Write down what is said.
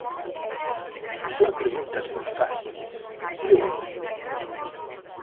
Son preguntas moi fáciles, ¿si ou non?